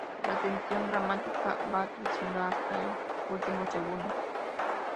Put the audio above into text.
La tensión dramática va creciendo hasta el último segundo.